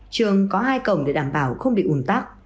trường có hai cổng để đảm bảo không bị ủn tắc